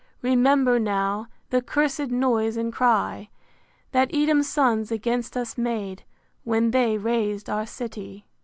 remember now The cursed noise and cry, That Edom's sons against us made, When they ras'd our city.